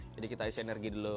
jadi kita isi energi dulu